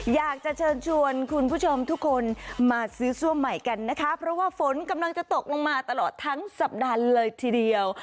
อยากจะเชิญชวนคุณผู้ชมทุกคนมาซื้อซั่วมใหม่กันนะคะเพราะว่าฝนกำลังจะตกลงมาตลอดทั้งสัปดาห์เลยทีเดียว